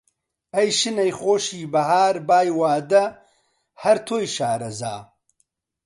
ئەی شنەی خۆشی بەهار، بای وادە! هەر تۆی شارەزا